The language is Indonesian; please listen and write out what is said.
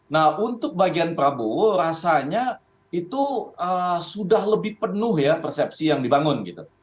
nah untuk bagian prabowo rasanya itu sudah lebih penuh ya persepsi yang dibangun gitu